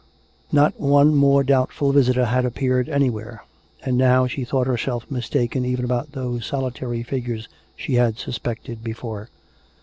Not one more doubtful visitor had ap peared anywhere; and now she thought herself mistaken even about those solitary figures she had suspected before.